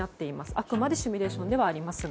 あくまでシミュレーションではありますが。